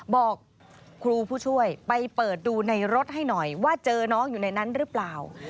บอกครูผู้ช่วยไปเปิดดูในรถให้หน่อยว่าเจอน้องอยู่ในนั้นหรือเปล่า